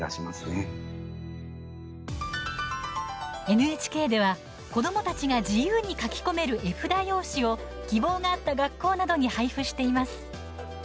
ＮＨＫでは、子どもたちが自由に描き込める絵札用紙を希望があった学校などに配布しています。